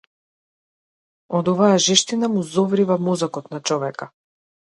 Од оваа жештина му зоврива мозокот на човека.